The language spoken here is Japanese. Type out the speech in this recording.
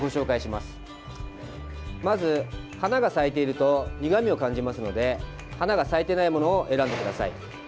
まず、花が咲いていると苦みを感じますので花が咲いてないものを選んでください。